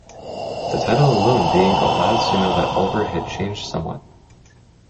The title alone being a loud signal that Ulver had changed somewhat.